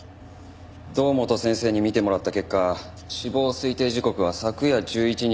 堂本先生に見てもらった結果死亡推定時刻は昨夜１１日の午後１１時。